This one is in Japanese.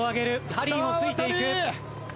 ハリーもついていく。